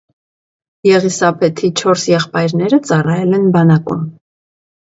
Եղիսաբեթի չորս եղբայրները ծառայել են բանակում։